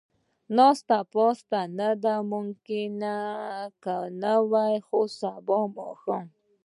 ناسته پاسته، نه دا ممکنه نه وه، خو سبا ماښام.